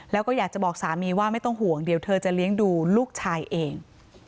แล้วก็อยากจะบอกสามีว่าไม่ต้องห่วงเดี๋ยวเธอจะเลี้ยงดูลูกชายเอง